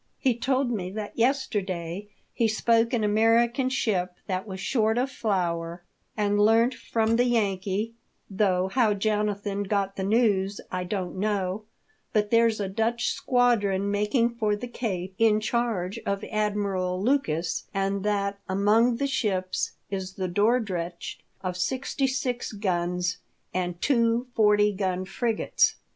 He told me that yesterday he spoke an American ship that was short of flour, and learnt from the Yankee — though how Jonathan got the news I don't know — that there's a Dutch squadron making for the Cape, in charge of Admiral Lucas, and that among the ships is the Dor drecht of sixty six guns and two forty gun frigates."